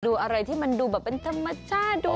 ดูอะไรที่มันดูแบบเป็นธรรมชาติดู